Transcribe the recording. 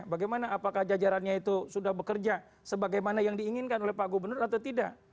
bagaimana apakah jajarannya itu sudah bekerja sebagaimana yang diinginkan oleh pak gubernur atau tidak